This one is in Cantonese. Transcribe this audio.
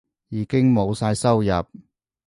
已經冇晒收入